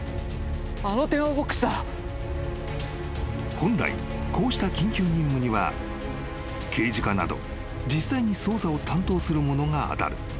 ［本来こうした緊急任務には刑事課など実際に捜査を担当する者が当たる］